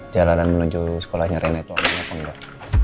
jalanan menuju sekolahnya rena itu amat nyapa enggak